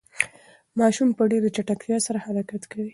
ماشوم په ډېرې چټکتیا سره حرکت کوي.